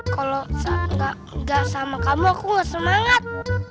kalau nggak sama kamu aku gak semangat